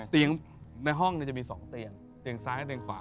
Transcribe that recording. เตียงในห้องจะมี๒เตียงเตียงซ้ายเตียงขวา